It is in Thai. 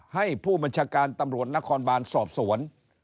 ให้ผู้บัญชาการตำรวจนครบานสอบสวน